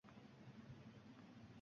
Men bir joyda qotib qolgandim